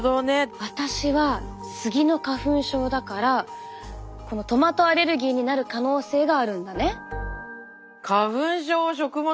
私はスギの花粉症だからこのトマトアレルギーになる可能性があるんだね。